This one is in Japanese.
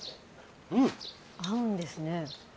あうんですね。